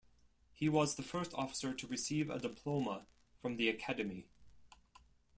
He was the first officer to receive a diploma from the Academy.